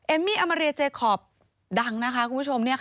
เอมมี่อัมมาเรียเจคอร์ฟดังนะคะคุณผู้ชม